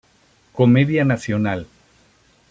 Comedia Nacional.